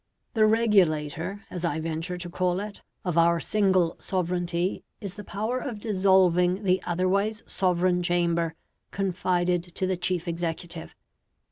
The regulator, as I venture to call it, of our single sovereignty is the power of dissolving the otherwise sovereign chamber confided to the chief executive.